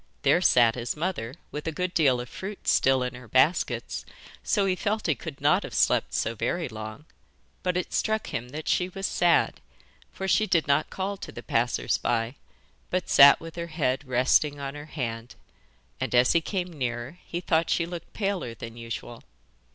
There sat his mother, with a good deal of fruit still in her baskets, so he felt he could not have slept so very long, but it struck him that she was sad, for she did not call to the passers by, but sat with her head resting on her hand, and as he came nearer he thought she looked paler than usual.